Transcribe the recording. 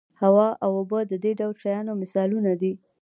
هوا او اوبه د دې ډول شیانو مثالونه دي.